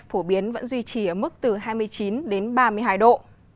phổ biến vẫn duy trì ở mức từ hai mươi chín đến ba mươi hai độ